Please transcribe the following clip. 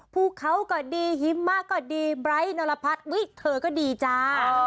ภูเขาก็ดีฮิม่าก็ดีบร์ไต้นรพันธุ์เว้ยเธอก็ดีจ้า